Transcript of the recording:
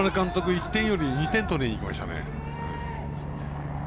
１点より２点取りにいきましたね。